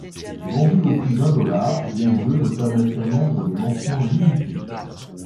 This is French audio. Vendus au prix d'un dollar, les jeux ne permettent qu'un nombre de lancement limité.